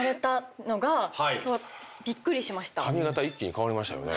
髪形一気に変わりましたよね。